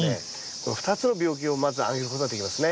この２つの病気をまず挙げることができますね。